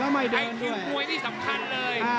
แล้วไม่เดินด้วยให้คิมมวยที่สำคัญเลย